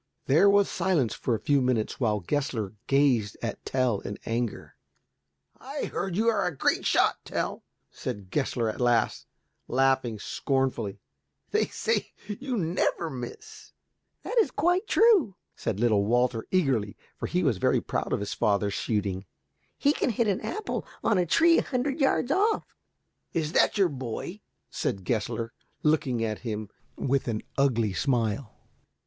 There was silence for a few minutes while Gessler gazed at Tell in anger. "I hear you are a great shot, Tell," said Gessler at last, laughing scornfully, "they say you never miss." "That is quite true," said little Walter eagerly, for he was very proud of his father's shooting. "He can hit an apple on a tree a hundred yards off." "Is that your boy?" said Gessler, looking at him with an ugly smile.